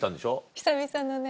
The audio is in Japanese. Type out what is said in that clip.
久々のね